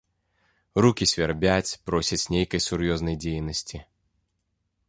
Рукі свярбяць, просяць нейкай сур'ёзнай дзейнасці.